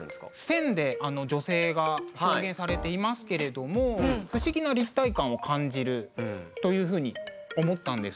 線で女性が表現されていますけれども不思議な立体感を感じるというふうに思ったんです。